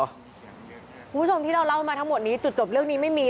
คุณผู้ชมที่เราเล่ามาทั้งหมดนี้จุดจบเรื่องนี้ไม่มี